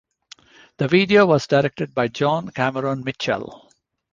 The video was directed by John Cameron Mitchell.